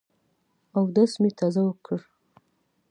اودس مي تازه کړ .